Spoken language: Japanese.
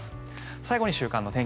最後に週間の天気